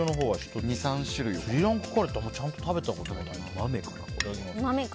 スリランカカレーってちゃんと食べたことない。